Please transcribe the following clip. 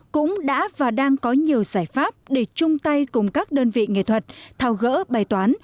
cũng đã và đang có nhiều giải pháp để chung tay cùng các đơn vị nghệ thuật thao gỡ bài toán